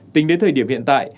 tính đến thời điểm hiện tại